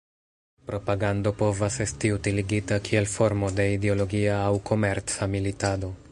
Propagando povas esti utiligita kiel formo de ideologia aŭ komerca militado.